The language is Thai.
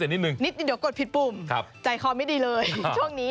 นิดนึงเดี๋ยวกดผิดปุ่มใจคอไม่ดีเลยช่วงนี้